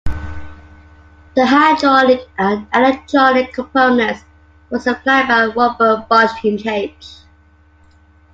The hydraulic and electronic components were supplied by Robert Bosch GmbH.